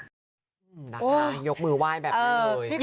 นะคะยกมือไหว้แบบนี้เลย